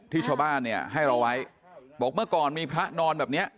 ชาวบ้านเนี่ยให้เราไว้บอกเมื่อก่อนมีพระนอนแบบนี้